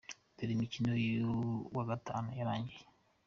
Dore imikino y'uyu wa Gatatu yarangiye:.